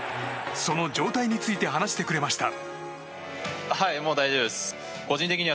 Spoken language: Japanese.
その状態について話してくれました。